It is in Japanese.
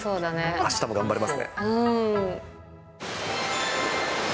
あしたも頑張れますね。